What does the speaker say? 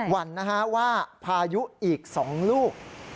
วันว่าพายุอีก๒ลูก